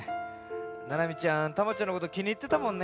ななみちゃんタマちゃんのこときにいってたもんね。